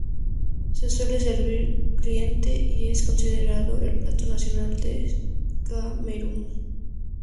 Se suele servir caliente y es considerado el plato nacional de Camerún.